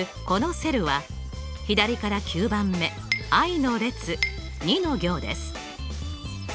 このセルは左から９番目Ｉの列２の行です。